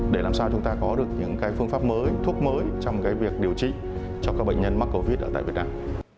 để làm sao chúng ta có được những phương pháp mới thuốc mới trong việc điều trị cho các bệnh nhân mắc covid ở việt nam